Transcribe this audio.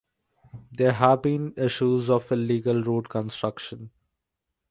There have been issues of illegal road construction.